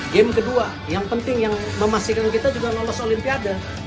game kedua yang penting yang memastikan kita juga lolos olimpiade